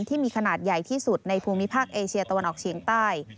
ที่มีขนาดใหญ่ที่สุดในภูมิภาคเอเชียตะวันออกเฉียงใต้